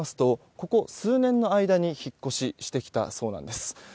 ここ数年の間に引っ越ししてきたそうなんです。